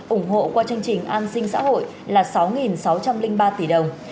ủng hộ qua chương trình an sinh xã hội là sáu sáu trăm linh ba tỷ đồng